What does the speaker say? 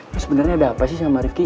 lu sebenernya ada apa sih sama srivkih